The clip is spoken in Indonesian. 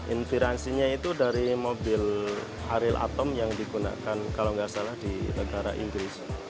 infiransinya itu dari mobil ariel atom yang digunakan kalau nggak salah di negara inggris